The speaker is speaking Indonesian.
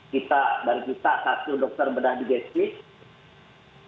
kita dari kita satu dokter bedah di gesis